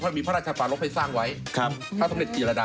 เพราะมีพระราชฟาล็กษ์ให้สร้างไว้พระสมเด็จจีรดา